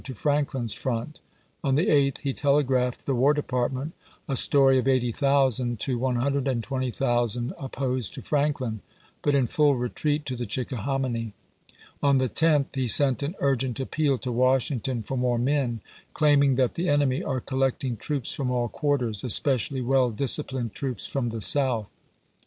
to Franklin's front. On the 8th he telegraphed the War Department a story of 80,000 to 120,000 op posed to Franklin, but in full retreat to theChicka hominy. On the 10th he sent an urgent appeal to Washington for more men, claiming that the enemy " are collecting troops from all quarters, especially well disciplined troops from the South."